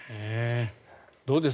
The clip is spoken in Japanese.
どうです？